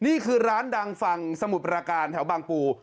นี่คือร้านดังฝั่งสมุทรประการแถวบางปู